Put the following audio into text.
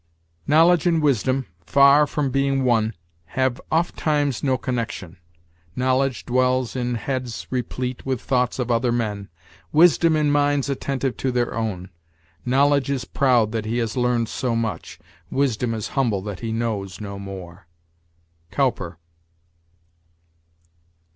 "Knowledge and wisdom, far from being one, Have ofttimes no connection. Knowledge dwells In heads replete with thoughts of other men; Wisdom in minds attentive to their own. Knowledge is proud that he has learned so much; Wisdom is humble that he knows no more." Cowper.